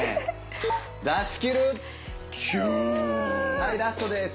はいラストです。